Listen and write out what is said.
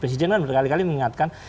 presiden kan berkali kali mengingatkan